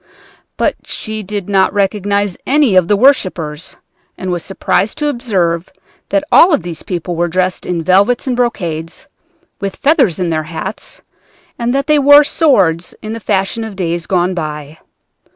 But she did not recognize any of the worshipers and was surprised to observe that all of these people were dressed in velvets and brocades, with feathers in their hats, and that they wore swords in the fashion of days gone by.